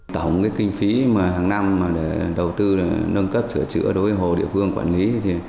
tổng kinh phí mà hàng năm để đầu tư nâng cấp sửa chữa đối với hồ địa phương quản lý